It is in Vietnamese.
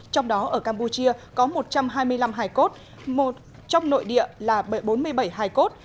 trong đó ở campuchia có một trăm hai mươi năm hải cốt trong nội địa là bốn mươi bảy hải cốt